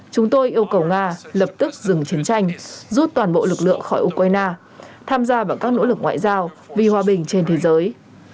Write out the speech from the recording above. chúng tôi yêu cầu nga lập tức dừng chiến tranh rút toàn bộ lực lượng khỏi ukraine tham gia vào các nỗ lực ngoại giao vì hòa bình trên thế giới